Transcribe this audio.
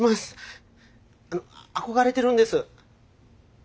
憧れてるんです。